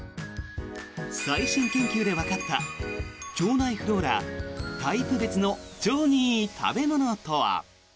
最新研究でわかった腸内フローラタイプ別の腸にいい食べ物とは。